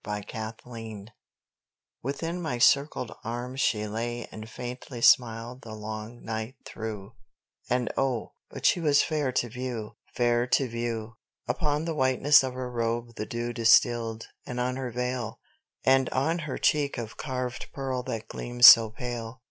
The Dead Bride WITHIN my circled arm she lay and faintly smiled the long night through, And oh, but she was fair to view, fair to view! Upon the whiteness of her robe the dew distilled, and on her veil And on her cheek of carved pearl that gleamed so pale.